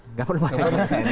nggak perlu pasang iklan di cnn